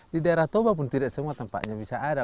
di daerah toba pun tidak semua tempatnya bisa ada